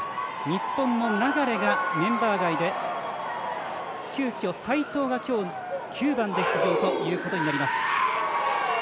日本の流がメンバー外で急きょ、齋藤が今日９番で出場ということになります。